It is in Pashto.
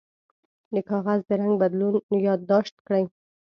د کاغذ د رنګ بدلون یاد داشت کړئ.